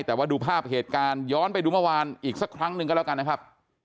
แต่ว่าดูภาพเหตุการณ์ย้อนไปดูเมื่อวานอีกสักครั้งหนึ่งก็แล้วกันนะครับ